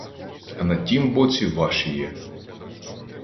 А на тім боці ваші є.